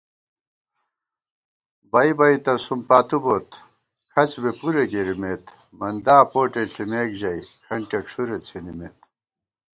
بَئ بَئ تہ سُم پاتُو بوت، کھڅ بی پُرے گِرِمېت * مندا پوٹےݪِمېکژَئی کھنٹِیَہ ڄُھرےڅِھنِمېت